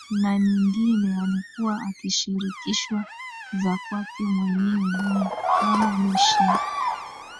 na nyingine alikuwa akishirikishwa za kwake mwenyewe ni kama national